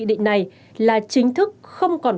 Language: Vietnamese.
nghị định này là chính thức không còn